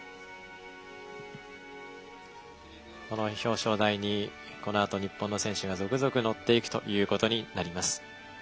この表彰台にこのあと日本の選手が続々乗っていくということになります。